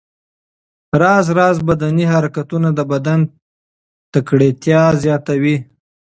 راز راز بدني حرکتونه د بدن تکړتیا زیاتوي.